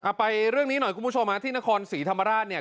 ไปเรื่องนี้หน่อยคุณผู้ชมฮะที่นครศรีธรรมราชเนี่ย